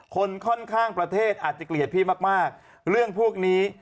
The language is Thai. คนค่อนข้างประเทศอาจจะเกลียดพี่มากมากเรื่องพวกนี้